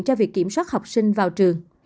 cho việc kiểm soát học sinh vào trường